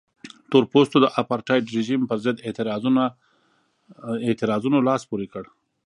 تور پوستو د اپارټایډ رژیم پرضد اعتراضونو لاس پورې کړ.